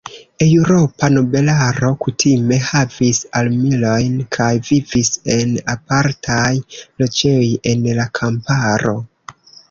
Eŭropa nobelaro kutime havis armilojn kaj vivis en apartaj loĝejoj en la kamparo.